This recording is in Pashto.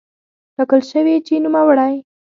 ټاکل شوې چې نوموړی